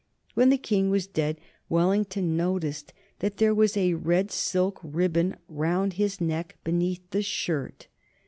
When the King was dead, Wellington noticed that there was a red silk ribbon round his neck beneath the shirt.